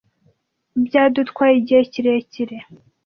Byadutwaye igihe kirekire,